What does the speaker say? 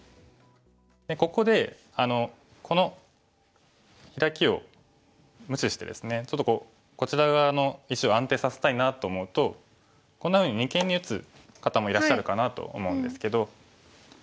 ここでこのヒラキを無視してですねちょっとこちら側の石を安定させたいなと思うとこんなふうに二間に打つ方もいらっしゃるかなと思うんですけど。